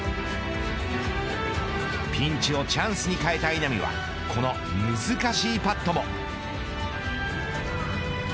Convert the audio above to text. ピンチをチャンスに変えた稲見はこの難しいパットも。